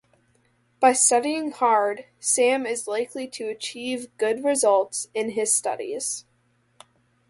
By studying hard, Sam is likely to achieve good results in his studies.